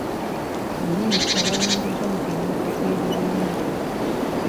Baminisita bawanguddwa mu kamyufu k'ebibiina.